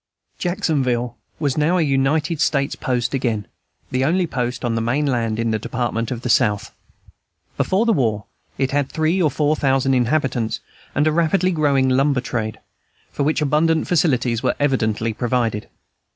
Jacksonville was now a United States post again: the only post on the main land in the Department of the South. Before the war it had three or four thousand inhabitants, and a rapidly growing lumber trade, for which abundant facilities were evidently provided.